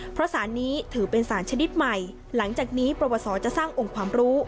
เพราะสารนี้ถือเป็นสารชนิดใหม่หลังจากนี้ประวัติศจะสร้างองค์ความรู้